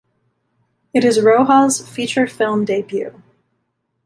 It is Rohal's feature film debut.